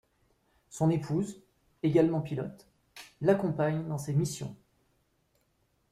Son épouse, également pilote, l'accompagne dans ces missions.